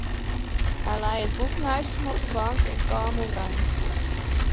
Hy lei it boek neist him op de bank en kaam oerein.